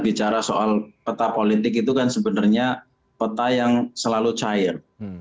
bicara soal peta politik itu kan sebenarnya peta yang selalu cair